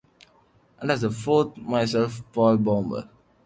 And as the fourth, myself, Paul Bäumer.